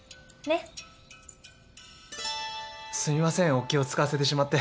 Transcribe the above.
お気を使わせてしまって。